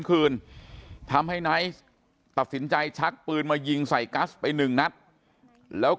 คืนทำให้ไนท์ตัดสินใจชักปืนมายิงใส่กัสไปหนึ่งนัดแล้ว